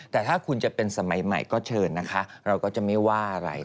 แต่ถ้าคุณจะเป็นสมัยใหม่ก็เชิญนะคะเราก็จะไม่ว่าอะไร